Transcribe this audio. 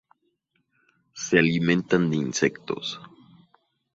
Se alimenta de insectos.